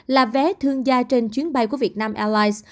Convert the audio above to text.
là vé thương gia trên chuyến bay của vietnam airlines